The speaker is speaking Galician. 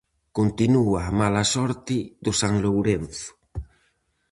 Continúa a mala sorte do San Lourenzo.